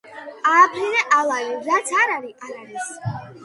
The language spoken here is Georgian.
ააფრინე ალალი, რაც არ არი - არ არის